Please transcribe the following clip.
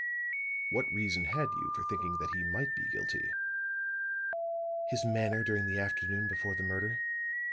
"What reason had you for thinking that he might be guilty?" "His manner during the afternoon before the murder.